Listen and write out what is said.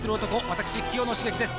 私清野茂樹です